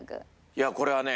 いやこれはね